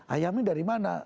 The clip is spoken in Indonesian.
ayam ini dari mana